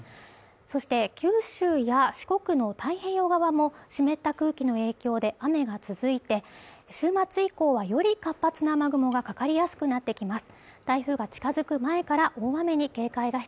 そして九州や四国の太平洋側も湿った空気の影響で雨が続いて週末以降はより活発な雨雲がかかりやすくなってきます